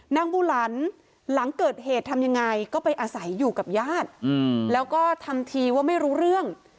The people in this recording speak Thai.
บูหลันหลังเกิดเหตุทำยังไงก็ไปอาศัยอยู่กับญาติแล้วก็ทำทีว่าไม่รู้เรื่อง